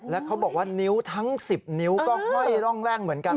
แล้วเขาบอกว่านิ้วทั้ง๑๐นิ้วก็ห้อยร่องแร่งเหมือนกัน